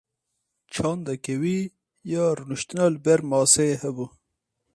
Çandeke wî ya rûniştina li ber maseyê hebû.